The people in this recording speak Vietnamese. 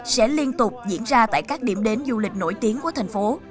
sẽ liên tục diễn ra tại các điểm đến du lịch nổi tiếng của thành phố